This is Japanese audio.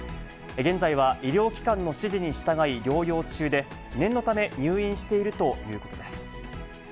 現在は医療機関の指示に従い療養中で、念のため入院しているということです。